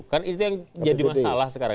kan itu yang jadi masalah sekarang